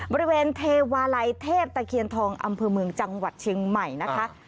บริเวณเทวาลัยเทพตะเคียนทองอำเภอเมืองจังหวัดเชียงใหม่นะคะ